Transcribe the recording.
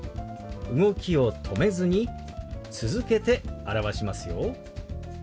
動きを止めずに続けて表しますよ。